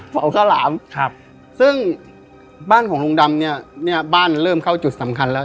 เผาข้าวหลามครับซึ่งบ้านของลุงดำเนี่ยเนี้ยบ้านเริ่มเข้าจุดสำคัญแล้ว